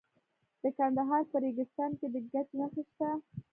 د کندهار په ریګستان کې د ګچ نښې شته.